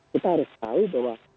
kita harus tahu bahwa